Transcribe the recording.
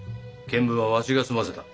検分はわしが済ませた。